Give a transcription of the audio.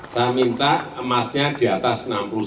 saya minta emasnya di atas enam puluh sembilan